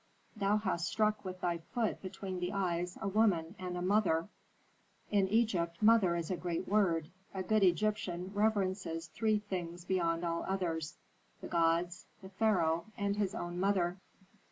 Thou hast struck with thy foot between the eyes a woman and a mother. In Egypt mother is a great word. A good Egyptian reverences three things beyond all others, the gods, the pharaoh, and his own mother."